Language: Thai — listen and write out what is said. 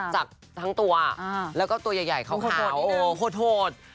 สักทั้งตัวแล้วก็ตัวใหญ่เขาขาวโหดโหด